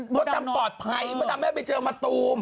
มดดำปลอดภัยมดดำแม่ไปเจอมะตูม